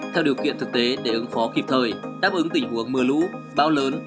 theo điều kiện thực tế để ứng phó kịp thời đáp ứng tình huống mưa lũ bão lớn